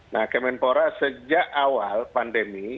nah kemenpora sejak awal pandemi